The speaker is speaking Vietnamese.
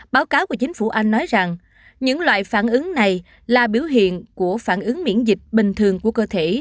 báo cáo của chính phủ anh nói rằng những loại phản ứng này là biểu hiện của phản ứng miễn dịch bình thường của cơ thể